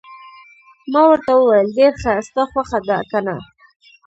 ما ورته وویل: ډېر ښه، ستا خوښه ده، که نه؟